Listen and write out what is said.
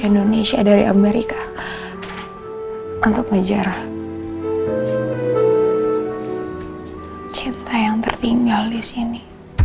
indonesia dari amerika untuk sejarah cinta yang tertinggal di sini